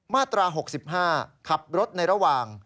มาตรา๖๕ขับรถในระหว่าง